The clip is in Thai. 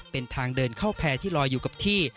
เป็นทางเดินเข้าแพร่ที่ลอยอยู่กับที่